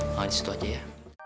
mama disitu aja ya